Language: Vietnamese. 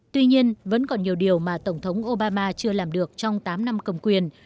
tuy nhiên vẫn còn nhiều điều mà tổng thống obama chưa làm được trong tám năm cầm quyền